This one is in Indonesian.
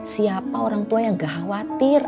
siapa orang tua yang gak khawatir